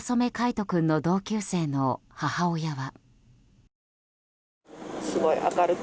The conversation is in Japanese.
仁君の同級生の母親は。